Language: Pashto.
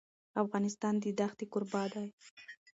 افغانستان د دښتې کوربه دی.